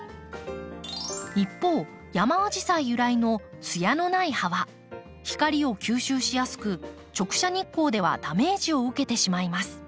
一方ヤマアジサイ由来のツヤのない葉は光を吸収しやすく直射日光ではダメージを受けてしまいます。